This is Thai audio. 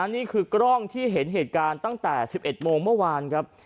นี่คือกล้องที่เห็นเหตุการณ์ตั้งแต่๑๑โมงเมื่อวานครับ